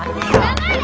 黙れ！